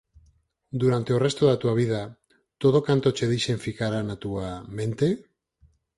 Durante o resto da túa vida, todo canto che dixen ficará na túa... mente?